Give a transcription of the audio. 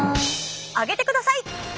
上げてください！